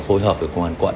phối hợp với công an quận